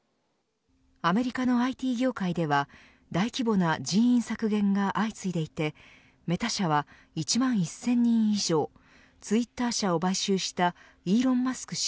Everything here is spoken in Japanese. アメリカのＩＴ業界では大規模な人員削減が相次いでいてメタ社は１万１０００人以上ツイッター社を買収したイーロン・マスク